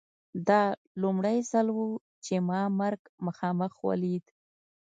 دا لومړی ځل و چې ما مرګ مخامخ ولید